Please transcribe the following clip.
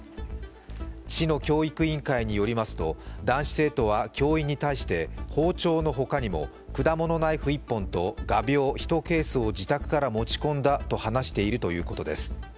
市の教育委員会によりますと男子生徒は教員に対して包丁の他にも、果物ナイフ１本と画びょう１ケースを自宅から持ち込んだと話しているということです。